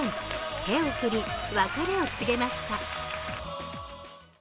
手を振り、別れを告げました。